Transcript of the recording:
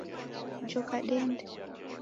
Joka dende